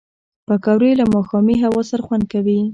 پکورې له ماښامي هوا سره خوند کوي